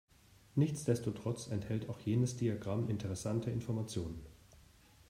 Nichtsdestotrotz enthält auch jenes Diagramm interessante Informationen.